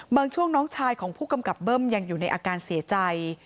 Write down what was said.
ช่วงน้องชายของผู้กำกับเบิ้มยังอยู่ในอาการเสียใจ